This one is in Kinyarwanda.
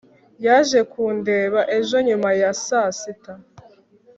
yaje kundeba ejo nyuma ya saa sita